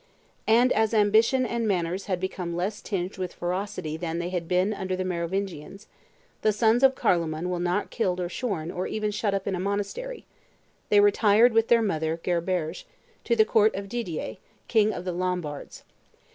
And as ambition and manners had become less tinged with ferocity than they had been under the Merovingians, the sons of Carloman were not killed or shorn or even shut up in a monastery: they retired with their mother, Gerberge, to the court of Didier, king of the Lombards.